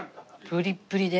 プリップリで。